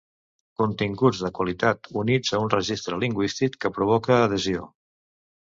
Continguts de qualitat units a un registre lingüístic que provoque adhesió.